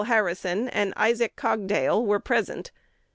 Harrison, and Isaac Cogdale were present.